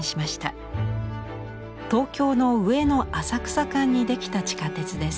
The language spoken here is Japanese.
東京の上野浅草間に出来た地下鉄です。